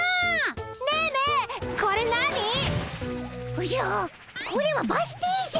おじゃあこれはバス停じゃ。